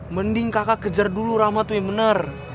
mending kakak kejar dulu rahmat wimener